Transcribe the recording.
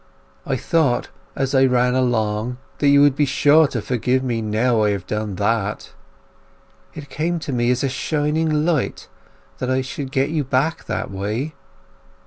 I thought as I ran along that you would be sure to forgive me now I have done that. It came to me as a shining light that I should get you back that way.